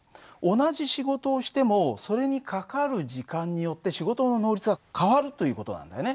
同じ仕事をしてもそれにかかる時間によって仕事の能率は変わるという事なんだよね。